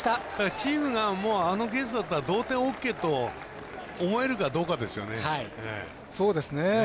チームがあのケースだったら同点オーケーだと思えるかどうかですよね。